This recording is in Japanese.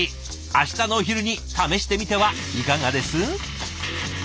明日のお昼に試してみてはいかがです？